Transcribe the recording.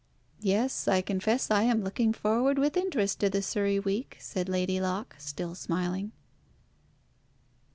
"Yes, I confess I am looking forward with interest to the Surrey week," said Lady Locke, still smiling.